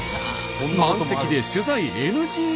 満席で取材ＮＧ。